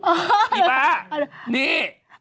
นี่ป๊านี่